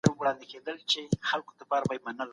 ما د پښتو ژبي دپاره یو نوی تعلیمي اپلیکیشن جوړ کړی دی